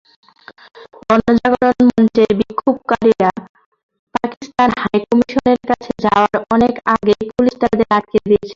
গণজাগরণ মঞ্চের বিক্ষোভকারীরা পাকিস্তান হাইকমিশনের কাছে যাওয়ার অনেক আগেই পুলিশ তাঁদের আটকে দিয়েছে।